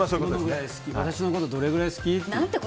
私のことどれぐらい好きって。